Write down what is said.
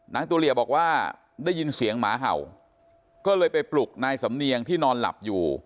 ตัวเหลี่ยบอกว่าได้ยินเสียงหมาเห่าก็เลยไปปลุกนายสำเนียงที่นอนหลับอยู่